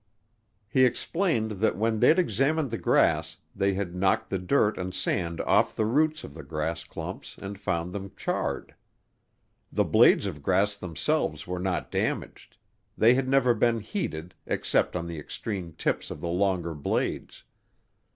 He explained that when they'd examined the grass they had knocked the dirt and sand off the roots of the grass clumps and found them charred. The blades of grass themselves were not damaged; they had never been heated, except on the extreme tips of the longer blades.